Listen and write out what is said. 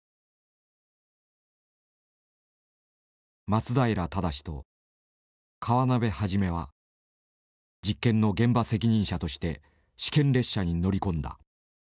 松平精と河辺一は実験の現場責任者として試験列車に乗り込んだ。